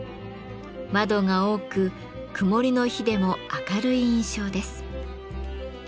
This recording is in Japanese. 窓が多く曇りの日でも明るい印象です。